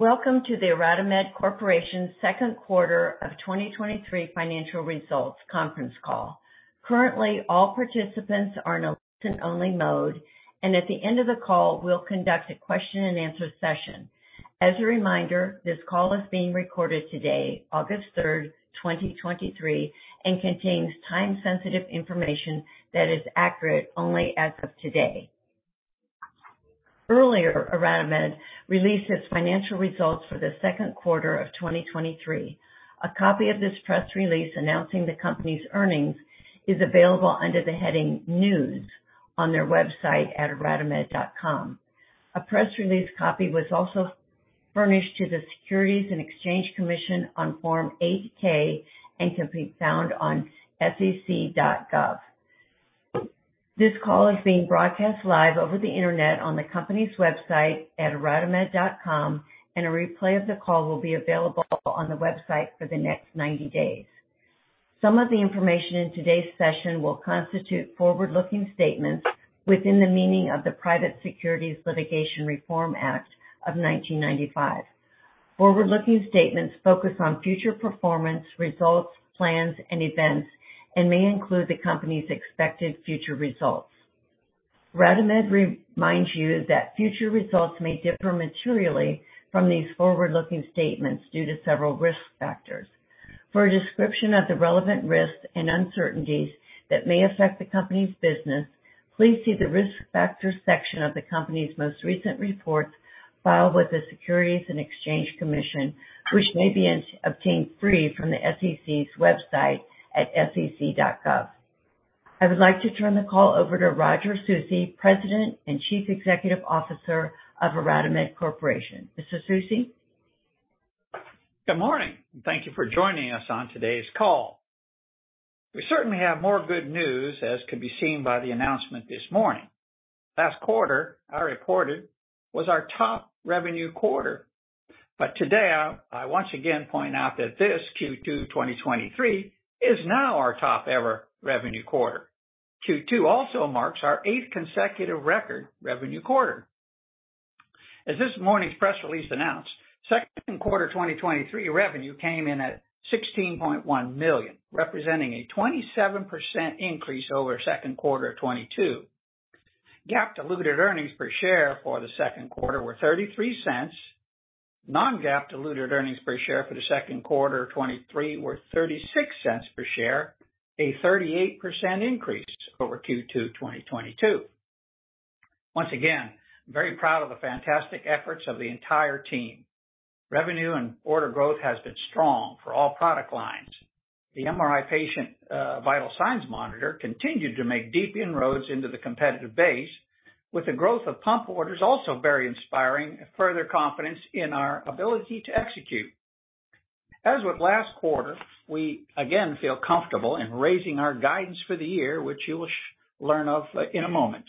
Welcome to the IRadimed Corporation's second quarter of 2023 financial results conference call. Currently, all participants are in a listen-only mode, and at the end of the call, we'll conduct a question-and-answer session. As a reminder, this call is being recorded today, August 3, 2023, and contains time-sensitive information that is accurate only as of today. Earlier, IRadimed released its financial results for the second quarter of 2023. A copy of this press release announcing the company's earnings is available under the heading "News" on their website at iradimed.com. A press release copy was also furnished to the Securities and Exchange Commission on Form 8-K and can be found on sec.gov. This call is being broadcast live over the Internet on the company's website at iradimed.com, and a replay of the call will be available on the website for the next 90 days. Some of the information in today's session will constitute forward-looking statements within the meaning of the Private Securities Litigation Reform Act of 1995. Forward-looking statements focus on future performance, results, plans, and events and may include the company's expected future results. IRadimed reminds you that future results may differ materially from these forward-looking statements due to several risk factors. For a description of the relevant risks and uncertainties that may affect the company's business, please see the Risk Factors section of the company's most recent reports filed with the Securities and Exchange Commission, which may be obtained free from the SEC's website at sec.gov. I would like to turn the call over to Roger Saucier, President and Chief Executive Officer of IRadimed Corporation. Mr. Saucier? Good morning, and thank you for joining us on today's call. We certainly have more good news, as can be seen by the announcement this morning. Last quarter, I reported, was our top revenue quarter, but today I once again point out that this Q2 2023 is now our top-ever revenue quarter. Q2 also marks our eighth consecutive record revenue quarter. As this morning's press release announced, second quarter 2023 revenue came in at $16.1 million, representing a 27% increase over second quarter of 2022. GAAP diluted earnings per share for the second quarter were $0.33. Non-GAAP diluted earnings per share for the second quarter of 2023 were $0.36 per share, a 38% increase over Q2 2022. Once again, I'm very proud of the fantastic efforts of the entire team. Revenue and order growth has been strong for all product lines. The MRI patient vital signs monitor continued to make deep inroads into the competitive base, with the growth of pump orders also very inspiring further confidence in our ability to execute. As with last quarter, we again feel comfortable in raising our guidance for the year, which you will learn of in a moment.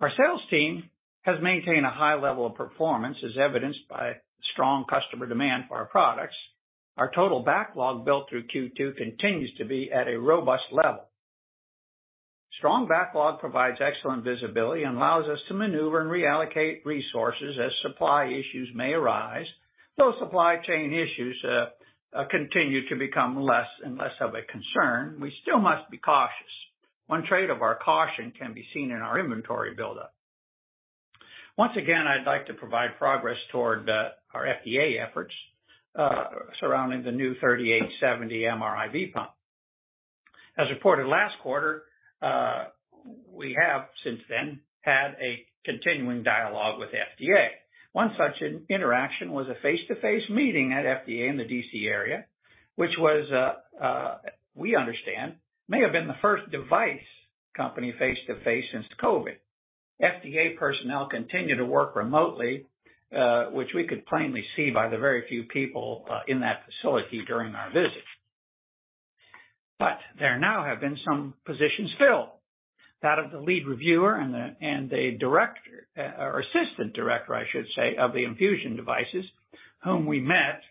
Our sales team has maintained a high level of performance, as evidenced by strong customer demand for our products. Our total backlog built through Q2 continues to be at a robust level. Strong backlog provides excellent visibility and allows us to maneuver and reallocate resources as supply issues may arise. Though supply chain issues continue to become less and less of a concern, we still must be cautious. One trait of our caution can be seen in our inventory buildup. Once again, I'd like to provide progress toward our FDA efforts surrounding the new 3870 MRI IV Pump. As reported Last quarter, we have since then had a continuing dialogue with FDA. One such in-interaction was a face-to-face meeting at FDA in the DC area, which was, we understand, may have been the first device company face-to-face since COVID. FDA personnel continue to work remotely, which we could plainly see by the very few people in that facility during our visit. There now have been some positions filled, that of the lead reviewer and the, and the director, or assistant director, I should say, of the infusion devices, whom we met,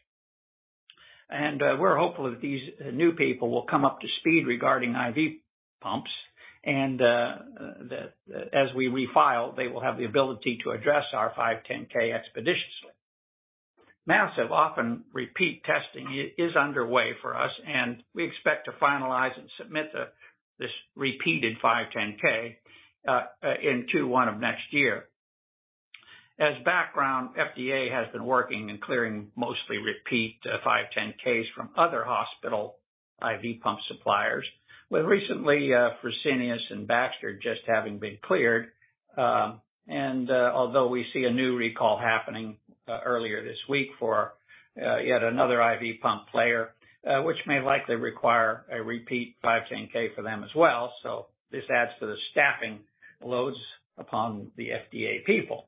and we're hopeful that these new people will come up to speed regarding IV pumps and that as we refile, they will have the ability to address our 510(k) expeditiously. Massive, often repeat testing is, is underway for us, and we expect to finalize and submit the, this repeated 510(k) in Q1 of 2024. As background, FDA has been working and clearing mostly repeat 510(k)s from other hospital IV pump suppliers with recently Fresenius and Baxter just having been cleared, and although we see a new recall happening earlier this week for yet another IV pump player, which may likely require a repeat 510(k) for them as well. This adds to the staffing loads upon the FDA people.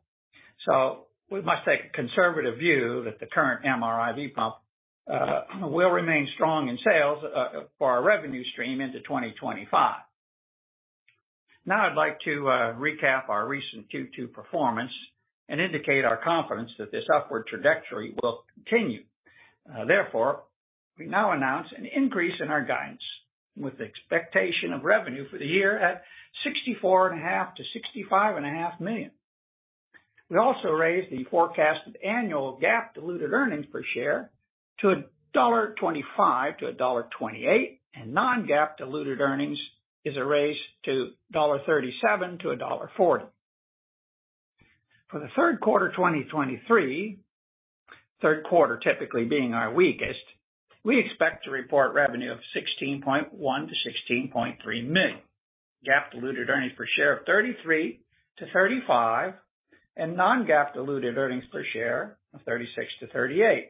We must take a conservative view that the current MRI IV pump will remain strong in sales for our revenue stream into 2025. Now, I'd like to recap our recent Q2 performance and indicate our confidence that this upward trajectory will continue.... therefore, we now announce an increase in our guidance, with the expectation of revenue for the year at $64.5 million-$65.5 million. We also raised the forecasted annual GAAP diluted earnings per share to $1.25-$1.28, and non-GAAP diluted earnings is a raise to $1.37-$1.40. For the third quarter 2023, third quarter typically being our weakest, we expect to report revenue of $16.1 million-$16.3 million. GAAP diluted earnings per share of $0.33-$0.35, and non-GAAP diluted earnings per share of $0.36-$0.38.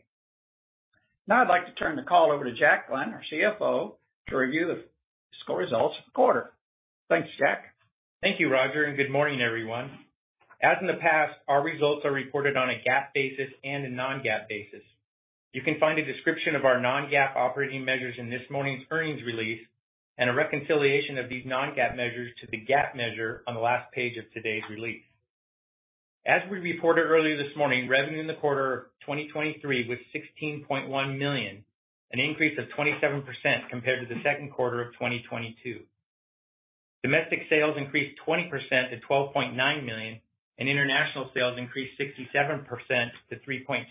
Now I'd like to turn the call over to Jacqueline, our CFO, to review the score results for the quarter. Thanks, Jack. Thank you, Roger. Good morning, everyone. As in the past, our results are reported on a GAAP basis and a non-GAAP basis. You can find a description of our non-GAAP operating measures in this morning's earnings release and a reconciliation of these non-GAAP measures to the GAAP measure on the last page of today's release. As we reported earlier this morning, revenue in the quarter of 2023 was $16.1 million, an increase of 27% compared to the second quarter of 2022. Domestic sales increased 20%- $12.9 million. International sales increased 67%-$3.2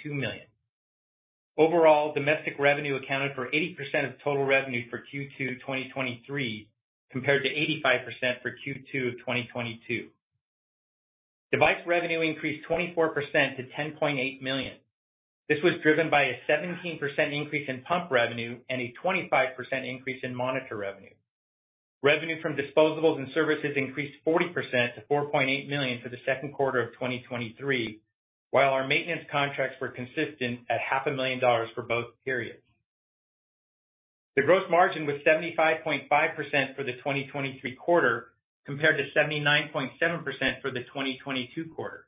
million. Overall, domestic revenue accounted for 80% of total revenue for Q2 2023, compared to 85% for Q2 of 2022. Device revenue increased 24% - $10.8 million. This was driven by a 17% increase in pump revenue and a 25% increase in monitor revenue. Revenue from disposables and services increased 40% - $4.8 million for the second quarter of 2023, while our maintenance contracts were consistent at $500,000 for both periods. The gross margin was 75.5% for the 2023 quarter, compared to 79.7% for the 2022 quarter.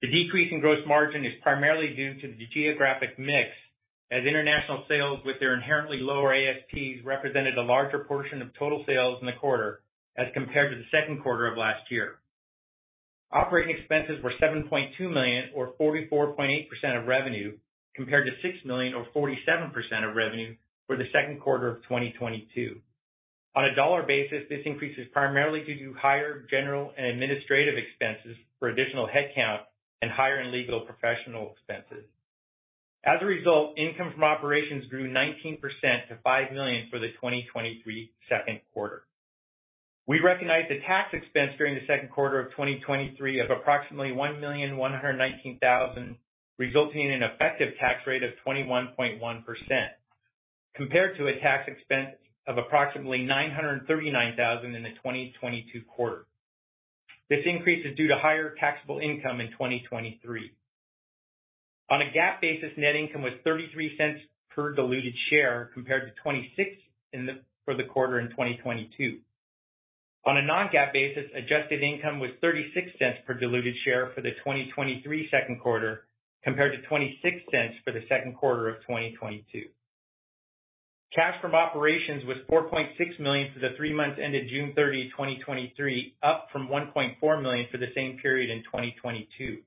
The decrease in gross margin is primarily due to the geographic mix, as international sales, with their inherently lower ASPs, represented a larger portion of total sales in the quarter as compared to the second quarter of last year. Operating expenses were $7.2 million, or 44.8% of revenue, compared to $6 million or 47% of revenue for the second quarter of 2022. On a dollar basis, this increase is primarily due to higher general and administrative expenses for additional headcount and higher and legal and professional expenses. As a result, income from operations grew 19% - $5 million for the Q2 2023. We recognized a tax expense during the second quarter of 2023 of approximately $1,119,000, resulting in an effective tax rate of 21.1%, compared to a tax expense of approximately $939,000 in the 2022 quarter. This increase is due to higher taxable income in 2023. On a GAAP basis, net income was $0.33 per diluted share, compared to $0.26 for the quarter in 2022. On a non-GAAP basis, adjusted income was $0.36 per diluted share for the 2023 second quarter, compared to $0.26 for the second quarter of 2022. Cash from operations was $4.6 million for the three months ended June 30, 2023, up from $1.4 million for the same period in 2022.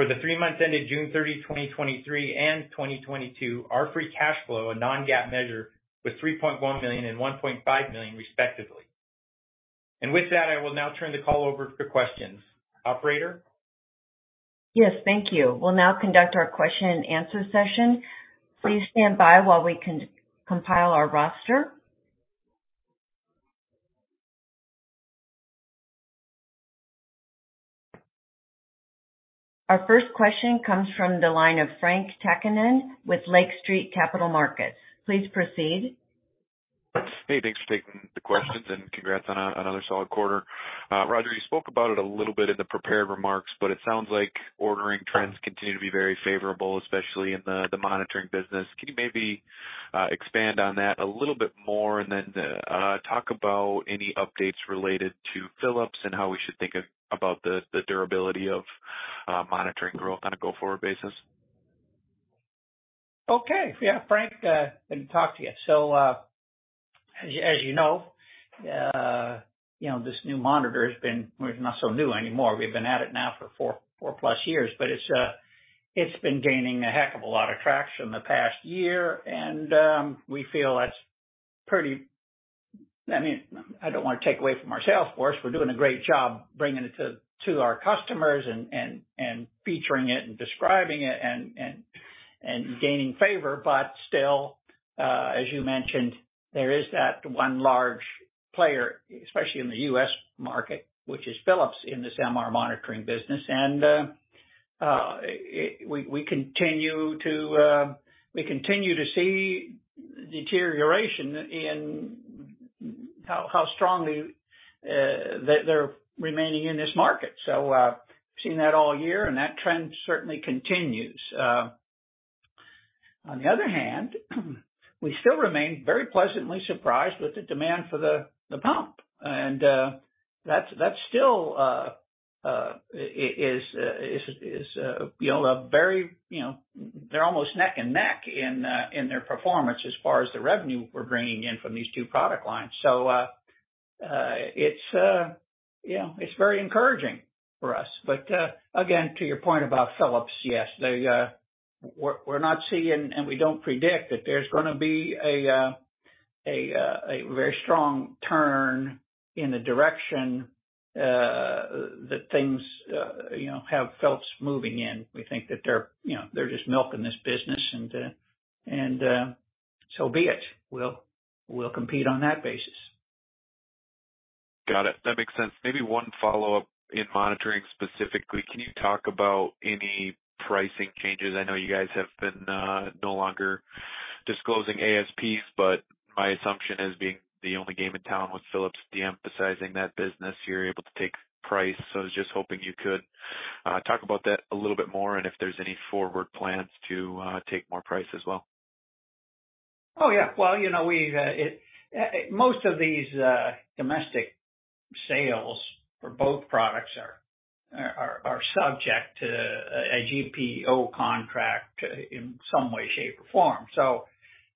For the three months ended June 30, 2023 and 2022, our free cash flow, a non-GAAP measure, was $3.1 million and $1.5 million, respectively. With that, I will now turn the call over for questions. Operator? Yes, thank you. We'll now conduct our question and answer session. Please stand by while we compile our roster. Our first question comes from the line of Frank Takinen with Lake Street Capital Markets. Please proceed. Hey, thanks for taking the questions. Congrats on another solid quarter. Roger, you spoke about it a little bit in the prepared remarks, but it sounds like ordering trends continue to be very favorable, especially in the monitoring business. Can you maybe expand on that a little bit more and then talk about any updates related to Philips and how we should think about the durability of monitoring growth on a go-forward basis? Okay. Yeah, Frank, good to talk to you. As you know, you know, this new monitor has been... well, it's not so new anymore. We've been at it now for four, 4-plus years, but it's, it's been gaining a heck of a lot of traction in the past year, and we feel that's pretty-- I mean, I don't want to take away from our sales force. We're doing a great job bringing it to, to our customers and, and, and featuring it and describing it and, and, and gaining favor. Still, as you mentioned, there is that one large player, especially in the U.S. market, which is Philips, in the MRI monitoring business. We, we continue to, we continue to see deterioration in how, how strongly, they, they're remaining in this market. We've seen that all year, and that trend certainly continues. On the other hand, we still remain very pleasantly surprised with the demand for the pump, and that's that still is, you know, a very, you know, they're almost neck and neck in their performance as far as the revenue we're bringing in from these two product lines. It's, yeah, it's very encouraging for us. Again, to your point about Phillips, yes, we're not seeing, and we don't predict that there's going to be a very strong turn in the direction that things, you know, have Phillips moving in. We think that they're, you know, they're just milking this business, and so be it. We'll compete on that basis. Got it. That makes sense. Maybe one follow-up in monitoring specifically, can you talk about any pricing changes? I know you guys have been, no longer disclosing ASPs, but my assumption is, being the only game in town with Phillips de-emphasizing that business, you're able to take price. I was just hoping you could, talk about that a little bit more, and if there's any forward plans to, take more price as well. Oh, yeah. Well, you know, we, most of these domestic sales for both products are, are, are subject to a GPO contract in some way, shape, or form.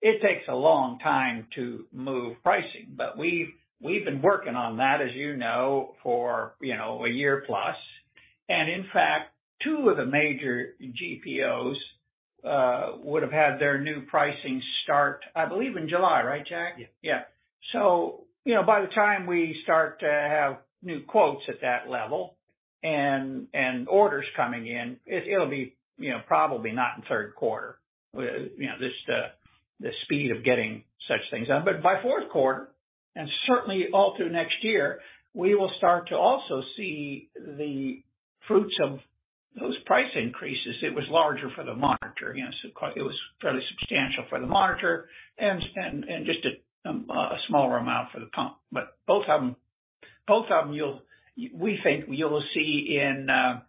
It takes a long time to move pricing, but we've, we've been working on that, as you know, for, you know, a year plus. In fact, two of the major GPOs would have had their new pricing start, I believe, in July, right, Jack? Yes. Yeah. you know, by the time we start to have new quotes at that level and, and orders coming in, it, it'll be, you know, probably not in the third quarter. you know, just the, the speed of getting such things done. by fourth quarter, and certainly all through next year, we will start to also see the fruits of those price increases. It was larger for the monitor. Yes, it was fairly substantial for the monitor and, and, and just a smaller amount for the pump. both of them, both of them, we think you'll see in, in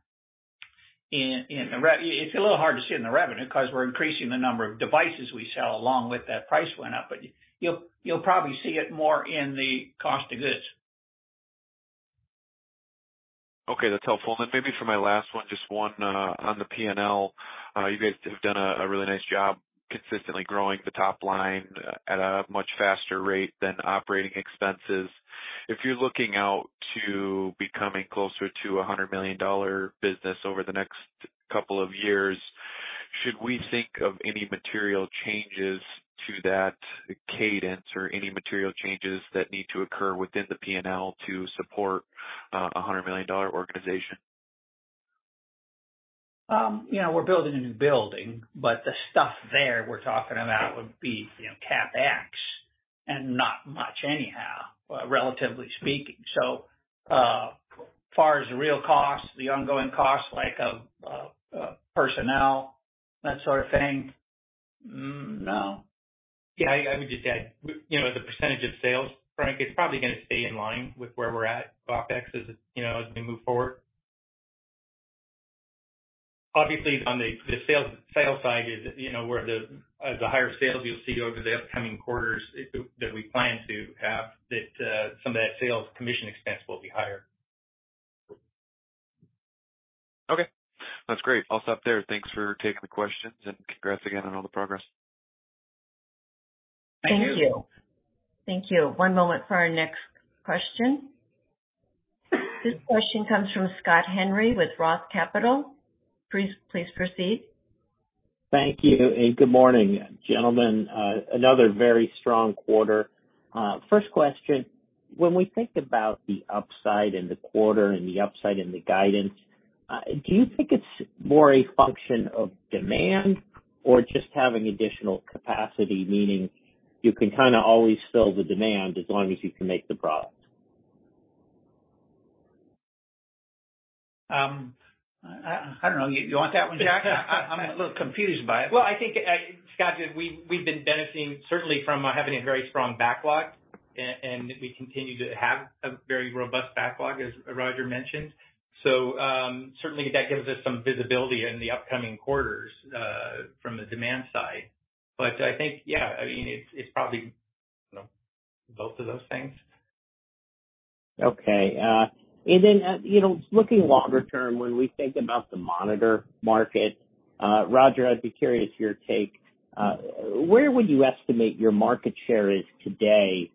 the. It's a little hard to see in the revenue because we're increasing the number of devices we sell, along with that price went up, but you'll, you'll probably see it more in the cost of goods. Okay, that's helpful. Maybe for my last one, just one on the P&L. You guys have done a really nice job consistently growing the top line at a much faster rate than operating expenses. If you're looking out to becoming closer to a $100 million business over the next couple of years, should we think of any material changes to that cadence or any material changes that need to occur within the P&L to support a $100 million organization? You know, we're building a new building, but the stuff there we're talking about would be, you know, CapEx, and not much anyhow, relatively speaking. Far as real costs, the ongoing costs, like, of personnel, that sort of thing, no. Yeah, I, I would just add, you know, the percentage of sales, Frank, is probably gonna stay in line with where we're at, OpEx, as, you know, as we move forward. Obviously, on the, the sales, sales side, you know, where the, as the higher sales you'll see over the upcoming quarters that, that we plan to have, that, some of that sales commission expense will be higher. Okay, that's great. I'll stop there. Thanks for taking the questions, and congrats again on all the progress. Thank you. Thank you. Thank you. One moment for our next question. This question comes from Scott Henry with ROTH Capital. Please, please proceed. Thank you, and good morning, gentlemen. Another very strong quarter. First question: When we think about the upside in the quarter and the upside in the guidance, do you think it's more a function of demand or just having additional capacity, meaning you can kind of always fill the demand as long as you can make the product? I, I don't know. You want that one, Jack? I'm a little confused by it. Well, I think, Scott, we, we've been benefiting certainly from, having a very strong backlog, and, and we continue to have a very robust backlog, as Roger mentioned. Certainly, that gives us some visibility in the upcoming quarters, from the demand side. I think, yeah, I mean, it's, it's probably, you know, both of those things. Okay. You know, looking longer term, when we think about the monitor market, Roger, I'd be curious your take. Where would you estimate your market share is today?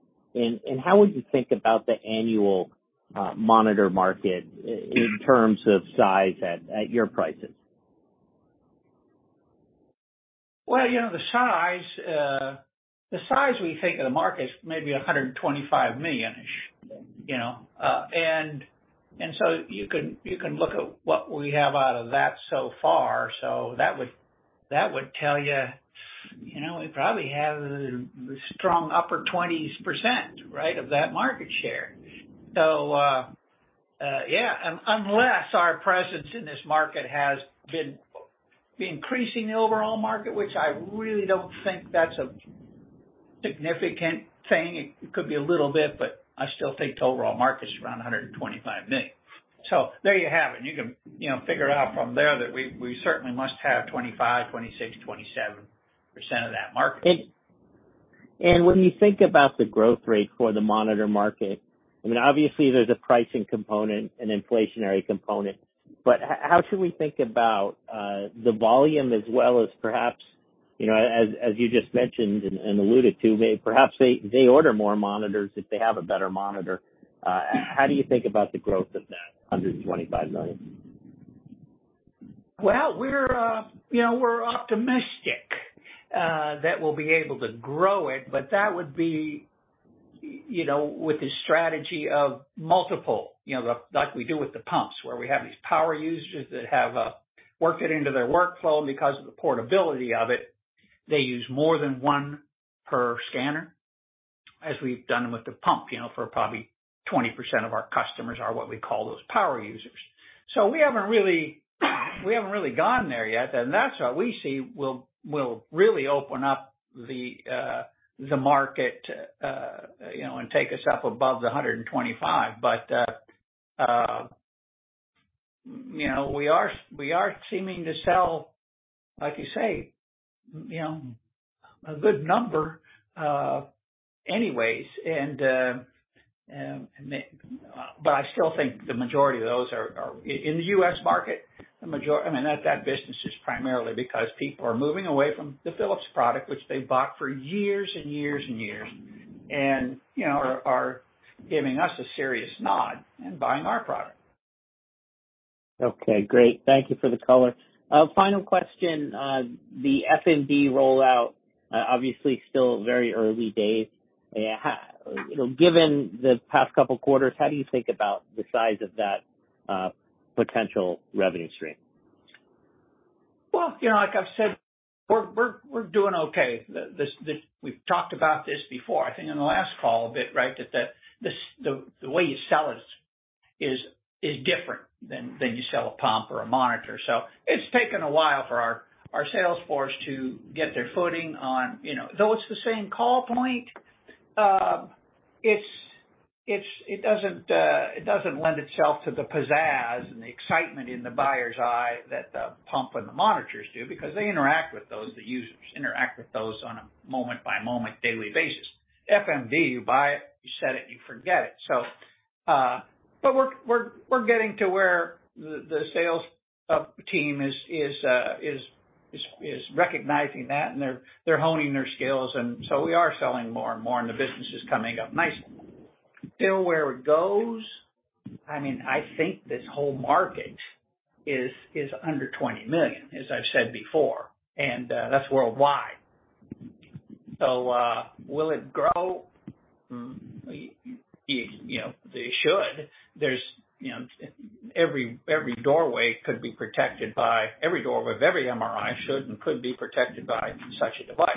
How would you think about the annual, monitor market in terms of size at, at your prices? Well, you know, the size, the size we think of the market is maybe $125 million-ish, you know. You can look at what we have out of that so far. That would tell you, you know, we probably have a strong upper 20s%, right, of that market share. Yeah, unless our presence in this market has been increasing the overall market, which I really don't think that's a significant thing. It could be a little bit, but I still think the overall market is around $125 million. There you have it. You can, you know, figure it out from there, that we certainly must have 25%, 26%, 27% of that market. When you think about the growth rate for the monitor market, I mean, obviously, there's a pricing component, an inflationary component, but how should we think about the volume as well as perhaps, you know, as you just mentioned and alluded to, they, perhaps they, they order more monitors if they have a better monitor. How do you think about the growth of that $125 million? Well, we're, you know, we're optimistic that we'll be able to grow it, but that would be, you know, with the strategy of multiple, you know, the, like we do with the pumps, where we have these power users that have worked it into their workflow. Because of the portability of it, they use more than 1 per scanner, as we've done with the pump, you know, for probably 20% of our customers are what we call those power users. We haven't really, we haven't really gone there yet, and that's what we see will, will really open up the market, you know, and take us up above the 125. You know, we are, we are seeming to sell, like you say, you know, a good number anyways. And then... I still think the majority of those are, are in the U.S. market, the majority, I mean, that, that business is primarily because people are moving away from the Philips product, which they've bought for years and years and years, and, you know, are, are giving us a serious nod and buying our product. Okay, great. Thank you for the color. Final question. The FMD rollout, obviously still very early days. You know, given the past couple quarters, how do you think about the size of that potential revenue stream? Well, you know, like I've said, we're, we're, we're doing okay. We've talked about this before, I think in the last call a bit, right? That the way you sell it is different than you sell a pump or a monitor. It's taken a while for our sales force to get their footing on, you know... Though it's the same call point, it doesn't lend itself to the pizzazz and the excitement in the buyer's eye that the pump and the monitors do, because they interact with those, the users interact with those on a moment-by-moment daily basis. FMD, you buy it, you set it, you forget it. But we're, we're, we're getting to where the, the sales team is, is, is recognizing that, and they're, they're honing their skills, and so we are selling more and more, and the business is coming up nicely. Still, where it goes, I mean, I think this whole market is, is under $20 million, as I've said before, that's worldwide. Will it grow? You know, they should. There's, you know, every, every doorway of every MRI should and could be protected by such a device.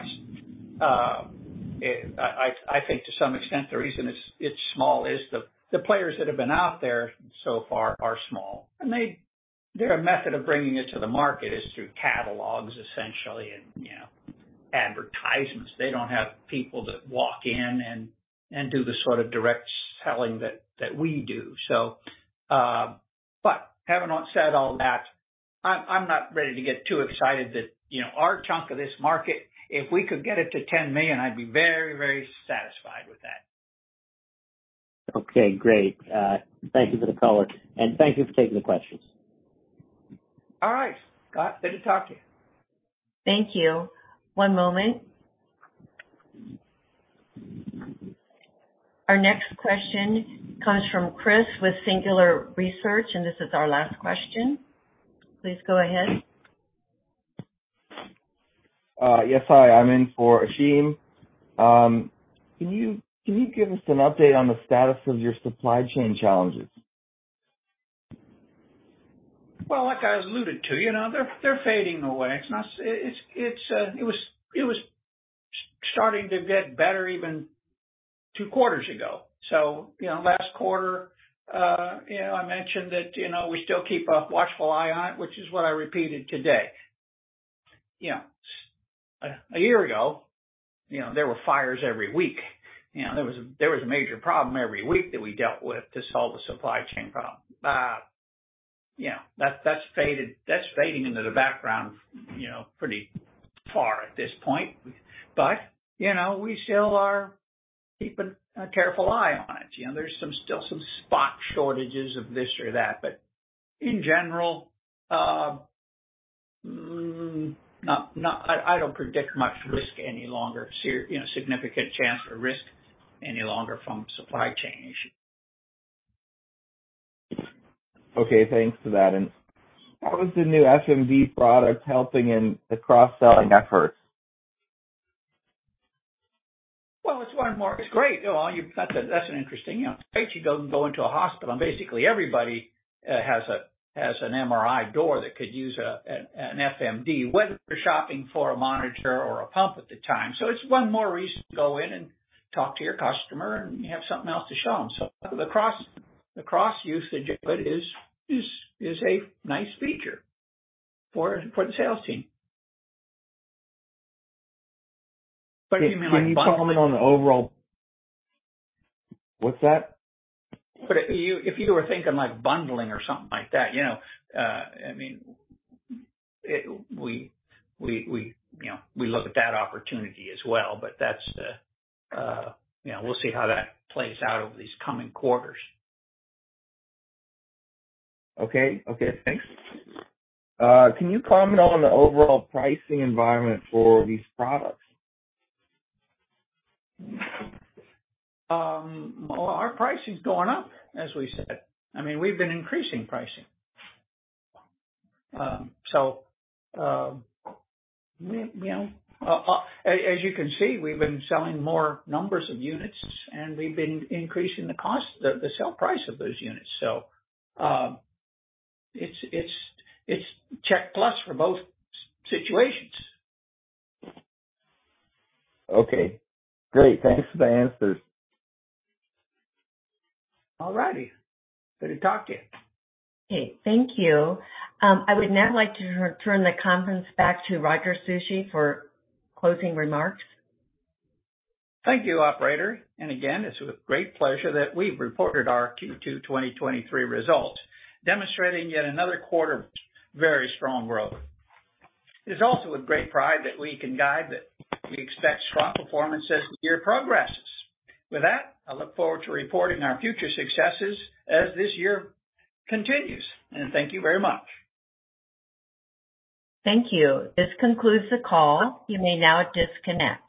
It, I, I, I think to some extent, the reason it's, it's small is the, the players that have been out there so far are small, and they, their method of bringing it to the market is through catalogs, essentially, and, you know, advertisements. They don't have people that walk in and, and do the sort of direct selling that, that we do. But having said all that, I'm, I'm not ready to get too excited that, you know, our chunk of this market, if we could get it to $10 million, I'd be very, very satisfied with that. Okay, great. Thank you for the color, and thank you for taking the questions. All right, Scott. Good to talk to you. Thank you. One moment. Our next question comes from Chris with Singular Research. This is our last question. Please go ahead. Yes, hi. I'm in for Hakeem. Can you, can you give us an update on the status of your supply chain challenges? Well, like I alluded to, you know, they're, they're fading away. It's not, it's, it's, it was, it was starting to get better even two quarters ago. You know, last quarter, you know, I mentioned that, you know, we still keep a watchful eye on it, which is what I repeated today. You know, a year ago, you know, there were fires every week. You know, there was a, there was a major problem every week that we dealt with to solve the supply chain problem. Yeah, that's, that's faded, that's fading into the background, you know, pretty far at this point. You know, we still are keeping a careful eye on it. You know, there's some, still some spot shortages of this or that, but in general, not, not... I don't predict much risk any longer, you know, significant chance for risk any longer from supply chain issues. Okay, thanks for that. How is the new FMD product helping in the cross-selling efforts? Well, it's one more. It's great. Well, you've That's an interesting, you know, take. You go into a hospital, basically, everybody has an MRI door that could use an FMD, whether they're shopping for a monitor or a pump at the time. It's one more reason to go in and talk to your customer, and you have something else to show them. The cross usage of it is a nice feature for the sales team. You mean, like- Can you comment on the overall... What's that? You, if you were thinking, like, bundling or something like that, you know, I mean, it, we, we, we, you know, we look at that opportunity as well, but that's the, you know, we'll see how that plays out over these coming quarters. Okay. Okay, thanks. Can you comment on the overall pricing environment for these products? Well, our pricing's going up, as we said. I mean, we've been increasing pricing. We, you know, as you can see, we've been selling more numbers of units, and we've been increasing the sale price of those units. It's, it's, it's check plus for both situations. Okay, great. Thanks for the answers. All righty. Good to talk to you. Okay, thank you. I would now like to return the conference back to Roger Soucy for closing remarks. Thank you, operator. Again, it's with great pleasure that we've reported our Q2 2023 results, demonstrating yet another quarter of very strong growth. It is also with great pride that we can guide that we expect strong performance as the year progresses. With that, I look forward to reporting our future successes as this year continues, and thank you very much. Thank you. This concludes the call. You may now disconnect.